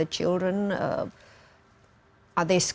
apa kehidupan sehari hari seperti